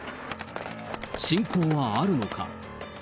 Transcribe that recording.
侵攻はあるのか。